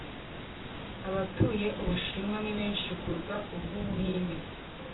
abatuye ubushinwa ni benshi kuruta ubw'ubuhinde